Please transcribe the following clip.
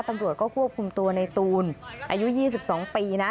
ตำรวจก็ควบคุมตัวในตูนอายุ๒๒ปีนะ